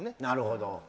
なるほど。